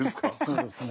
そうですね。